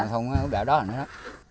lò thông đẻ đó là nữa đó